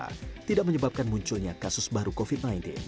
sehingga tidak munculnya kasus baru covid sembilan belas